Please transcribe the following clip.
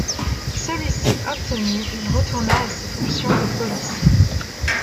Celui-ci obtenu, il retourna à ses fonctions de policier.